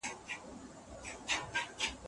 تمرین به زما حالت ښه کړی وي.